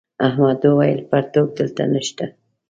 احمد وويل: پرتوگ دلته نشته.